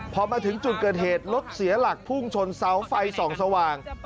พอมาถึงจุดเกิดเหตุรถเสียหลักพุ่งชนเสาไฟส่องสว่าง